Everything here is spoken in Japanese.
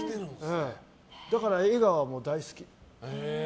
だから、笑顔は大好き。